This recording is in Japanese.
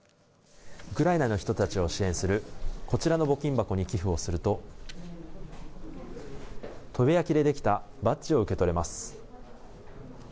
ウクライナの人たちを支援するこちらの募金箱に寄付をすると砥部焼でできたバッジを受け取れます。